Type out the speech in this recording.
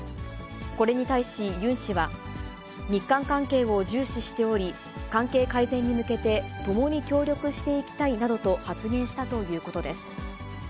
これに対しユン氏は、日韓関係を重視しており、関係改善に向けて共に協力していきたいなどと発言したということです。